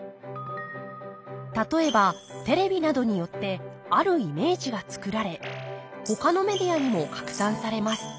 例えばテレビなどによってあるイメージが作られほかのメディアにも拡散されます。